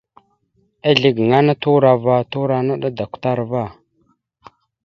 Ezle gaŋa ana turo ava turora naɗ adukətar ava.